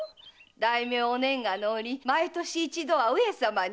大名お年賀の折毎年一度は上様に。